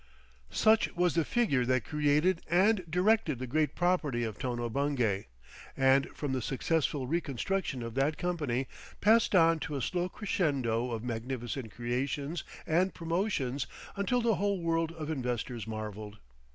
Such was the figure that created and directed the great property of Tono Bungay, and from the successful reconstruction of that company passed on to a slow crescendo of magnificent creations and promotions until the whole world of investors marveled.